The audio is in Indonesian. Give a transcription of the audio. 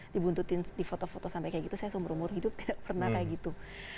dibuntutin di foto foto sampai kayak gitu saya seumur umur hidup tidak pernah kayak gitu